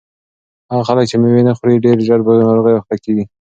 هغه خلک چې مېوې نه خوري ډېر ژر په ناروغیو اخته کیږي.